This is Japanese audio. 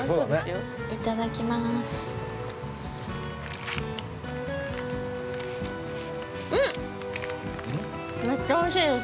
◆いただきます。